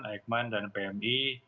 aikman dan pmi